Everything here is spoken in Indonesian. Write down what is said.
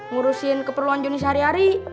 ngurusin keperluan juni sehari hari